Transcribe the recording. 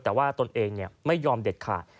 แต่ว่าตนเองไม่ยอมเด็ดขาด